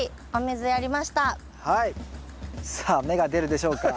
さあ芽が出るでしょうか。